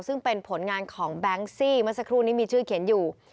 ซึ่งเป็นผลงานของแบงค์ซี่เมื่อสักครู่นี้มีชื่อเขียนอยู่